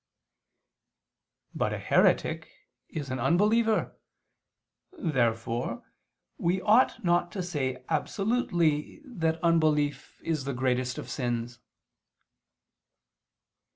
But a heretic is an unbeliever. Therefore we ought not to say absolutely that unbelief is the greatest of sins.